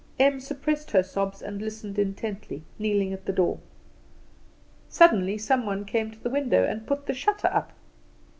Em suppressed her sobs and listened intently, kneeling at the door. Suddenly some one came to the window and put the shutter up.